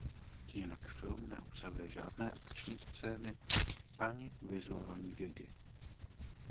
Jinak film neobsahuje žádné akční scény ani vizuální gagy.